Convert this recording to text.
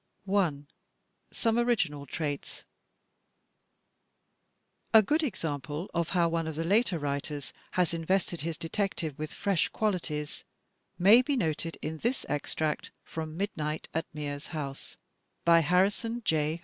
I, Some Original Traits A good example of how one of the later writers has invested his detective with fresh qualities may be noted in this extract from "Midnight at Mears House," by Harrison J.